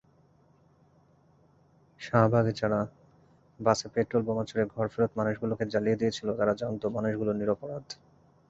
শাহবাগে যারা বাসে পেট্রলবোমা ছুড়ে ঘরফেরত মানুষগুলোকে জ্বালিয়ে দিয়েছিল, তারা জানত মানুষগুলো নিরপরাধ।